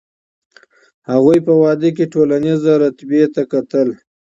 هغوی په واده کي ټولنیزې رتبې ته کتل.